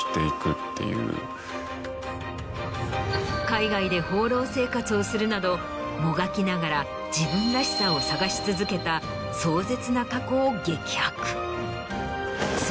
みたいなことはあって。をするなどもがきながら自分らしさを探し続けた壮絶な過去を激白。